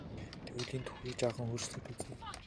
Тэгвэл энэ түүхийг жаахан өөрчлөөд үзье.